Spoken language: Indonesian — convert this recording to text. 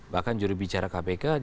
bahkan juri bicara kpk